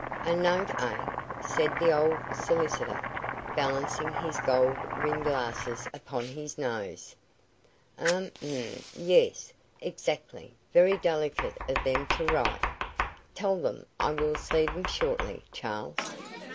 "A note, eh?" said the old solicitor, balancing his gold rimmed glasses upon his nose; "um um yes, exactly very delicate of them to write. Tell them I will see them shortly, Charles."